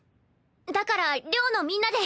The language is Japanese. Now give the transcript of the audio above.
だから寮のみんなで。